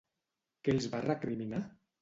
Què els va recriminar?